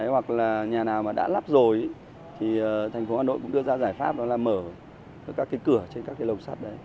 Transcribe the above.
hoặc là nhà nào mà đã lắp rồi thì thành phố hà nội cũng đưa ra giải pháp đó là mở các cái cửa trên các cái lồng sắt đấy